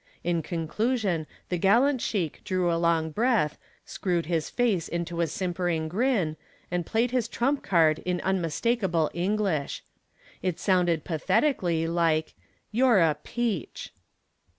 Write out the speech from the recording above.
In conclusion the gallant sheik drew a long breath, screwed his face into a simpering grin and played his trump card in unmistakable English. It sounded pathetically like "You're a peach."